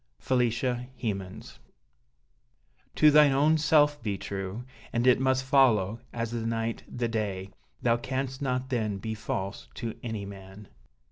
Felicia Hemans To thine own self be true; And it must follow, as the night the day, Thou canst not then be false to any man.